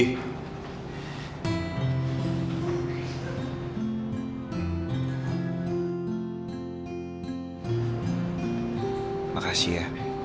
terima kasih ya